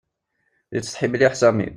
Ittsetḥi mliḥ Sami.